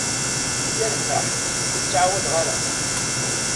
Yerbeḥ, ur ttɛawadeɣ ara.